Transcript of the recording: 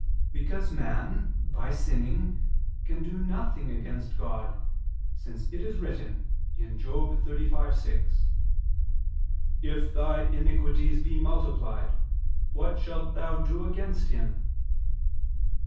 Because man, by sinning, can do nothing against God; since it is written (Job 35:6): "If thy iniquities be multiplied, what shalt thou do against Him?"